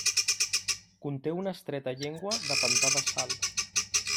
Conté una estreta llengua de pantà de sal.